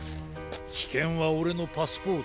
きけんはオレのパスポート。